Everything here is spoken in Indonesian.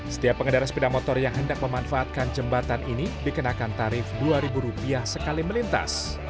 setiap pengendara sepeda motor yang hendak memanfaatkan jembatan ini dikenakan tarif rp dua sekali melintas